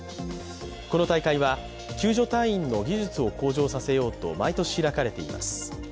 この大会は救助隊員の技術を向上させようと毎年、開かれています。